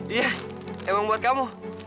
iya emang buat kamu